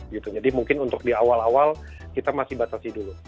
jadi mungkin untuk di awal awal kita masih batasi dulu